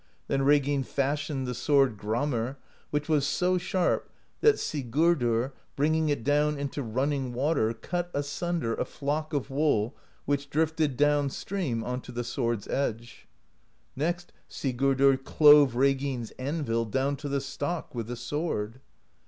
Then Reginn fashioned the sword Gramr, which was so sharp that Sigurdr, bringing it down into running water, cut asunder a flock of wool which drifted down stream onto the sword's edge. Next Sigurdr clove Reginn's anvil down to the stock with the sword.